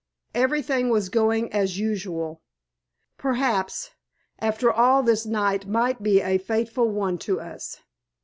Everything was going as usual. Perhaps, after all this night might be a fateful one to us.